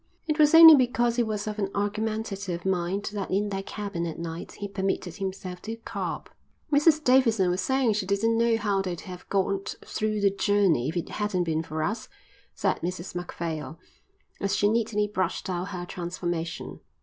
It was only because he was of an argumentative mind that in their cabin at night he permitted himself to carp. "Mrs Davidson was saying she didn't know how they'd have got through the journey if it hadn't been for us," said Mrs Macphail, as she neatly brushed out her transformation.